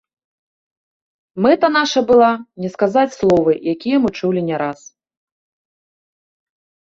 Мэта наша была не сказаць словы, якія мы чулі не раз.